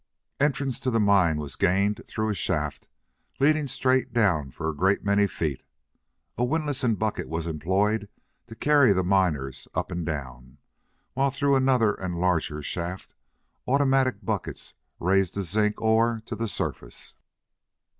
Entrance to the mine was gained through a shaft leading straight down for a great many feet. A windlass and bucket was employed to carry the miners up and down, while through another and larger shaft automatic buckets raised the zinc ore to the surface.